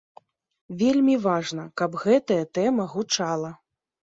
Вельмі важна, каб гэтая тэма гучала.